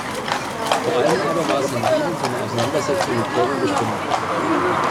Vor allem aber war sein Leben von der Auseinandersetzung mit Calvin bestimmt.